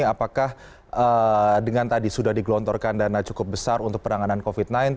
apakah dengan tadi sudah digelontorkan dana cukup besar untuk penanganan covid sembilan belas